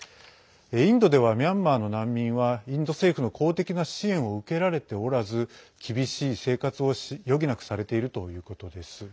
インドではミャンマーの難民はインド政府の公的な支援を受けられておらず厳しい生活を余儀なくされているということです。